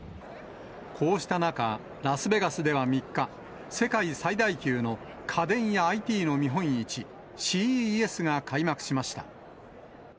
こうした中、ラスベガスでは３日、世界最大級の家電やＩＴの見本市、ＣＥＳが開幕しました。